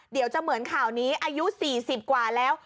เดี๋ยวจะเหมือนข่าวนี้อายุ๔๐กว่าแล้ว